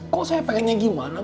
kau sendiri pinginnya gimana